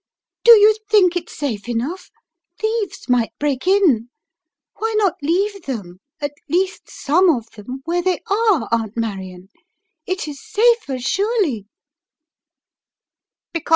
"Do you think it safe enough? Thieves might break in. Why not leave them, at least some of them, where they are, Aunt Marion. It is safer, surely!"